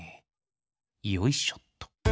よいしょっと！